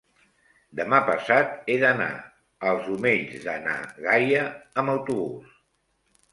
demà passat he d'anar als Omells de na Gaia amb autobús.